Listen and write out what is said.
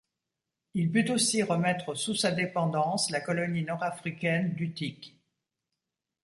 Il put aussi remettre sous sa dépendance la colonie nord-africaine d'Utique.